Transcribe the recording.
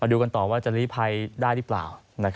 ดูกันต่อว่าจะลีภัยได้หรือเปล่า